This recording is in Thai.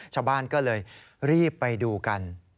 ชาวบ้านก็เลยรีบไปดูกัน